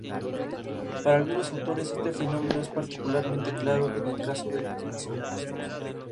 Para algunos autores, este fenómeno es particularmente claro en el caso de los nacionalismos.